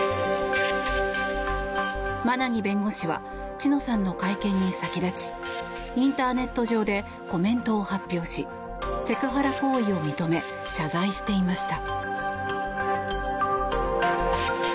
馬奈木弁護士は知乃さんの会見に先立ちインターネット上でコメントを発表しセクハラ行為を認め謝罪していました。